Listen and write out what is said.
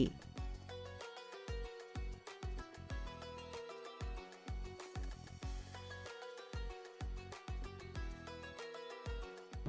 bagaimana cara membuat kebahagiaan dalam kebahagiaan